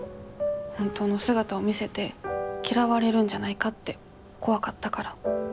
本当の姿を見せて嫌われるんじゃないかって怖かったから。